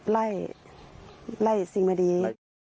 ไล่ไล่สิ่งนี้ดี